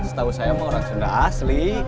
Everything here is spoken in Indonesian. setahu saya orang sunda asli